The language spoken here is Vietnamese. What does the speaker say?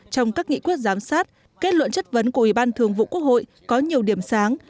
trong các nghị quyết giám sát kết luận chất vấn của ủy ban thường vụ quốc hội có nhiều điểm sáng